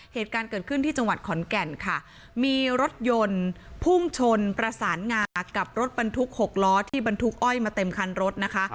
เหตุการณ์เกิดขึ้นที่จังหวัดขอนแก่นค่ะมีรถยนต์พุ่งชนประสานงากับรถบรรทุกหกล้อที่บรรทุกอ้อยมาเต็มคันรถนะคะ